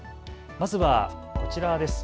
まずはこちらです。